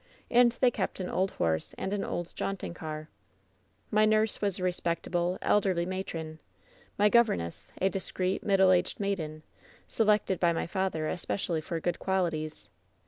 And they kept an old horse and an old jaunting car. "My nurse was a respectable, elderly matron; my governess, a discreet, middle aged maiden, selected by my father especially for good qualities.